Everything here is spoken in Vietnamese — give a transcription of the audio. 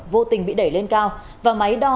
vô tình bị đẩy lên cao và máy đo